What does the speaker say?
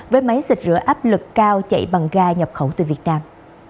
với máy xịt rửa áp lực cao chạy bằng ga nhập khẩu từ việt nam